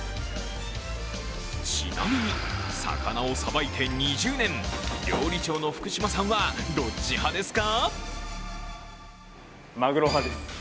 ちなみに魚をさばいて２０年、料理長の福島さんはどっち派ですか？